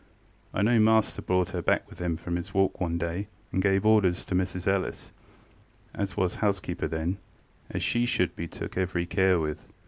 I know master brought her back with him from his walk one day, and give orders to Mrs Ellis, as was housekeeper then, as she should be took every care with.